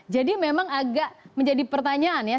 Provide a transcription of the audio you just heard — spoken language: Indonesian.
jadi memang agak menjadi pertanyaan ya